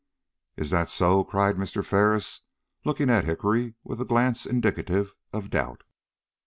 "Is this so?" cried Mr. Ferris, looking at Hickory with a glance indicative of doubt.